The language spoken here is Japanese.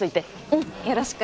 うんよろしく。